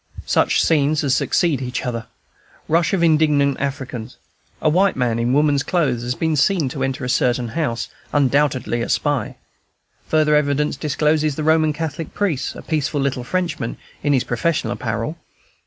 Such scenes as succeed each other! Rush of indignant Africans. A white man, in woman's clothes, has been seen to enter a certain house, undoubtedly a spy. Further evidence discloses the Roman Catholic priest, a peaceful little Frenchman, in his professional apparel.